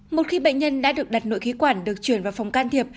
một khi bệnh nhân đã được đặt nội khí quản được chuyển vào phòng can thiệp